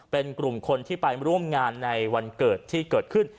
เป็นกลุ่มคนที่ไปร่วมงานในวันเกิดที่เกิดขึ้น